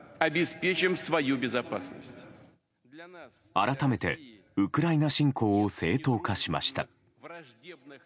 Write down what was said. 改めてウクライナ侵攻を正当化しました。